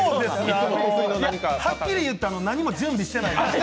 はっきり言って何も準備してないです。